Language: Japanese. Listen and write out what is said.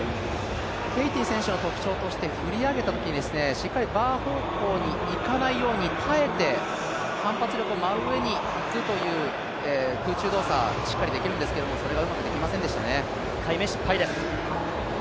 ケイティ選手の特徴として振り上げたときしっかりバー方向に行かないように耐えて反発力を上にいくという空中動作がしっかりできるんですけど１回目失敗です。